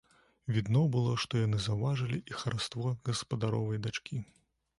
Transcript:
Відно было, што яны заўважылі і хараство гаспадаровай дачкі.